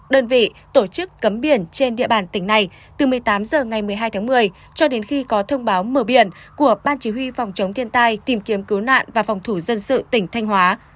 đơn vị tổ chức cấm biển trên địa bàn tỉnh này từ một mươi tám h ngày một mươi hai tháng một mươi cho đến khi có thông báo mở biển của ban chỉ huy phòng chống thiên tai tìm kiếm cứu nạn và phòng thủ dân sự tỉnh thanh hóa